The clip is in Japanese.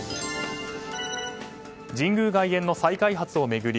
神宮外苑の再開発を巡り